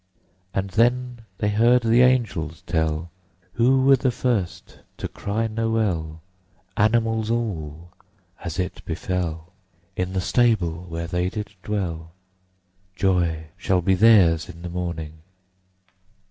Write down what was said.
And then they heard the angels tell "Who were the first to cry Nowell? Animals all, as it befell, In the stable where they did dwell! Joy shall be theirs in the morning!"